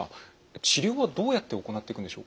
治療はどうやって行っていくんでしょうか？